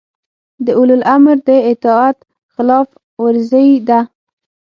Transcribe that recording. د اولوامر د اطاعت خلاف ورزي ده